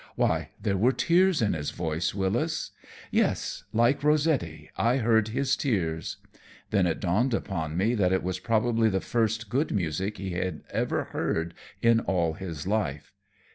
Why, there were tears in his voice, Wyllis! Yes, like Rossetti, I heard his tears. Then it dawned upon me that it was probably the first good music he had ever heard in all his life.